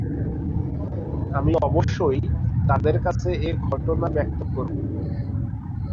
আমি অবশ্যই তাদের কাছে এ ঘটনা ব্যক্ত করব।